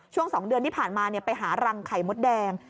ช่วง๒เดือนที่ผ่านมาไปหารังไข่มดแดง